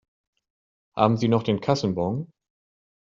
Haben Sie noch den Kassenbon?